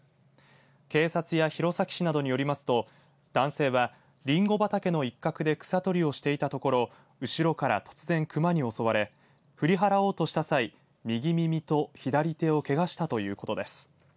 警察や弘前市などによりますと男性はりんご畑の一角で草取りをしていたところ後ろから突然、熊に襲われ振り払おうとした際右耳と左手をけがしたということです。